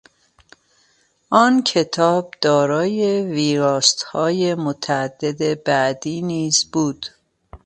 آن کتاب دارای ویراستهای متعدد بعدی نیز بود.